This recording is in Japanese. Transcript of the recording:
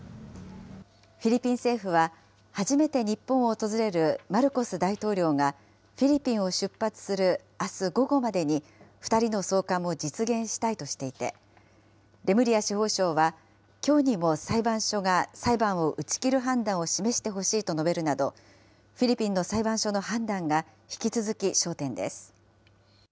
フィリピン政府は、初めて日本を訪れるマルコス大統領が、フィリピンを出発するあす午後までに、２人の送還も実現したいとしていて、レムリア司法相は、きょうにも裁判所が裁判を打ち切る判断を示してほしいと述べるなど、フィリピンの裁判所の判断が引き続き焦点です。